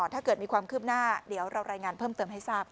ถ้าเกิดมีความคืบหน้าเดี๋ยวเรารายงานเพิ่มเติมให้ทราบ